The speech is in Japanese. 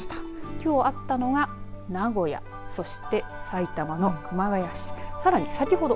きょうあったのが名古屋そして埼玉の熊谷市先ほど